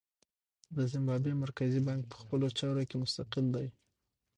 د زیمبابوې مرکزي بانک په خپلو چارو کې مستقل دی.